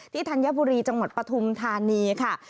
ธัญบุรีจังหวัดปฐุมธานีค่ะ